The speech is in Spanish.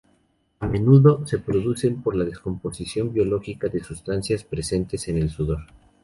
A menudo se producen por la descomposición biológica de sustancias presentes en el sudor.